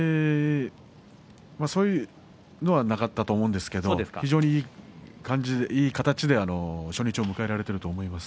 そういうのはなかったと思うんですが非常にいい形で初日を迎えられていると思います。